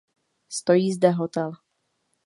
Stojí zde hotel.